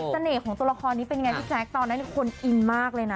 ของตัวละครนี้เป็นยังไงพี่แจ๊คตอนนั้นคนอินมากเลยนะ